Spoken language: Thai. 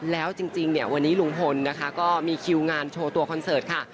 แล้วจริงเนี่ยวันนี้ลุงพลนะคะก็มีคิวงานโชว์ตัวคอนเสิร์ตค่ะ